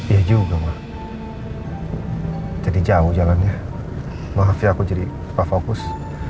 iya juga ma jadi jauh jalannya maaf ya aku jadi kepah fokus